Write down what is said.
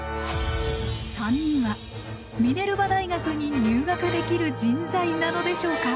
３人はミネルバ大学に入学できる人材なのでしょうか？